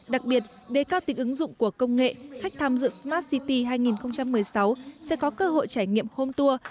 đặc biệt đề cao tính ứng dụng của công nghệ khách tham dự smart city hai nghìn một mươi sáu sẽ có cơ hội trải nghiệm hôm tour